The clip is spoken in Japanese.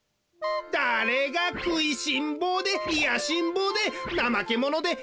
だれがくいしんぼうでいやしんぼうでなまけものでへんてこりんやねん！